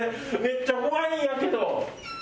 めっちゃ怖いんやけど。